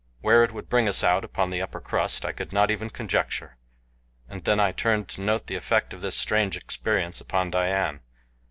Where it would bring us out upon the upper crust I could not even conjecture. And then I turned to note the effect of this strange experience upon Dian.